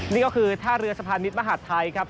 นี่ก็คือท่าเรือสะพานมิตรมหาดไทยครับ